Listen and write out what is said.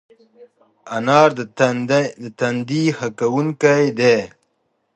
انار د تندي ښه کوونکی دی.